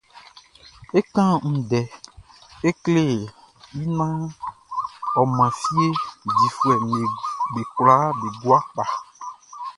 É kán ndɛ é klé i naan ɔ man fie difuɛʼm be kwlaa be gua kpa.